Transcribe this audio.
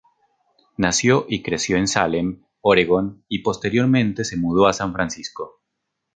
Nació y se crio en Salem, Oregon, y posteriormente se mudó a San Francisco.